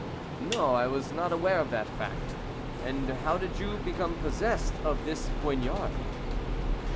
"No, I was not aware of that fact. And how did you become possessed of this poignard?"